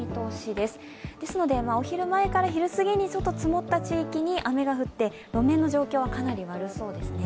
ですのでお昼前から昼すぎに積もった地域に雨が降って、路面の状態かなり悪そうですね。